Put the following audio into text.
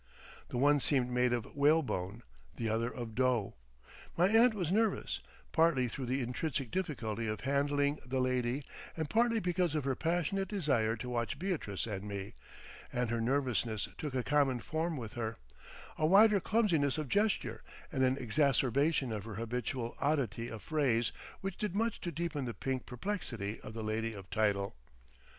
The one seemed made of whalebone, the other of dough. My aunt was nervous, partly through the intrinsic difficulty of handling the lady and partly because of her passionate desire to watch Beatrice and me, and her nervousness took a common form with her, a wider clumsiness of gesture and an exacerbation of her habitual oddity of phrase which did much to deepen the pink perplexity of the lady of title.